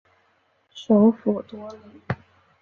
首府多里。